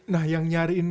nah yang nyariin